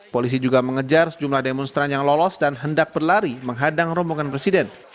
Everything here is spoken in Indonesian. polisi juga mengejar sejumlah demonstran yang lolos dan hendak berlari menghadang rombongan presiden